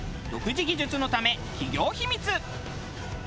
独自技術のため企業秘密。